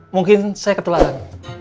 mungkin saya ketularan